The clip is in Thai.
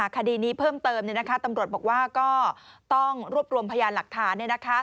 คดีนี้เพิ่มเติมตำรวจบอกว่าก็ต้องรวบรวมพยานหลักฐาน